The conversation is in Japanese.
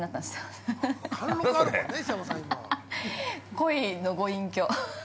◆恋のご隠居。